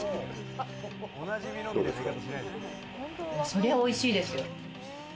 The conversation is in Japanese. そりゃおいしいですよ。